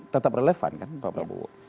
tetap relevan kan pak prabowo